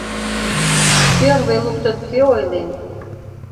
Пӧрвый луктын кӧ ойлен